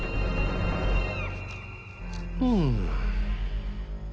うん。